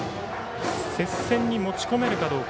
接戦に持ち込めるかどうか。